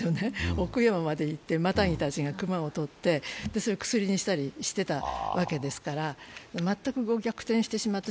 奥山まで行って、またぎたちが熊をとってそれを薬にしていたわけですから全く逆転してしまった。